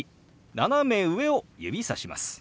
斜め上を指さします。